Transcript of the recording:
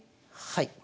はい。